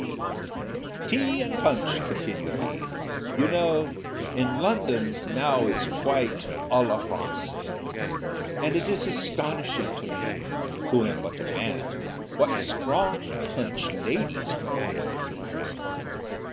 "Tea and punch," continued he, "you know, in London now is quite à la Française, and it is astonishing to me, who am but a man, what strong punch ladies can take."